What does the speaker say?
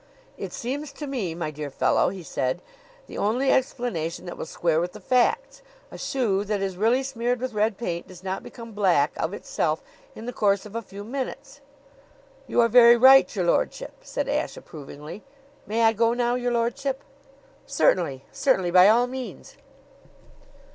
"It seems to me, my dear fellow," he said, "the only explanation that will square with the facts. A shoe that is really smeared with red paint does not become black of itself in the course of a few minutes." "You are very right, your lordship," said Ashe approvingly. "May I go now, your lordship?" "Certainly certainly; by all means."